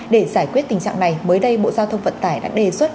để giải quyết tình trạng này mới đây bộ giao thông vận tải đã đề xuất